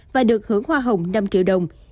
và được hưởng hoa hồng năm triệu đồng